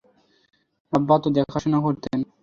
আব্বা তা দেখাশোনা করতেন।